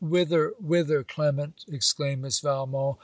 'Whither, whither, Clement!' exclaimed Miss Valmont.